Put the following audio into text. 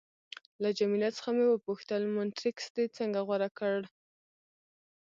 له جميله څخه مې وپوښتل: مونټریکس دې څنګه غوره کړ؟